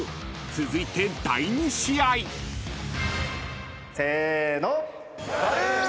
［続いて第２試合］せーの。